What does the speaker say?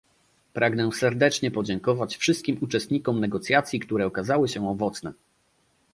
Pragnę serdecznie podziękować wszystkim uczestnikom negocjacji, które okazały się owocne